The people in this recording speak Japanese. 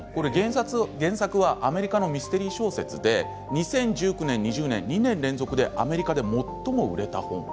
原作は、アメリカのミステリー小説で２０１９年、２０２０年２年連続でアメリカで最も売れた本。